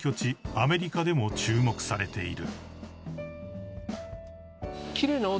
アメリカでも注目されている］